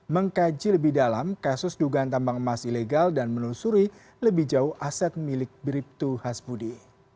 mengkaji lebih dalam kasus dugaan tambang emas ilegal dan menelusuri lebih jauh aset milik bribtu hasbudi